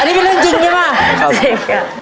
อันนี้เป็นเรื่องจริงใช่ไหมครับครับใช่ครับ